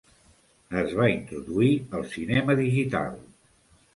Es va introduir el cinema digital.